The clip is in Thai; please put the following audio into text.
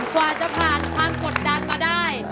กว่าจะผ่านความกดดันมาได้